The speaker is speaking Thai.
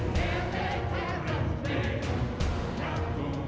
ที่เคยแรงแรง